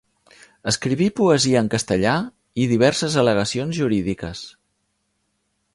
Escriví poesia en castellà i diverses al·legacions jurídiques.